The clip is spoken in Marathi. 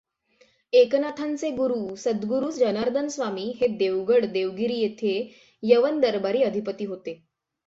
एकनाथांचे गुरू सद्गुरू जनार्दनस्वामी हे देवगड देवगिरी येथे यवन दरबारी अधिपती होते.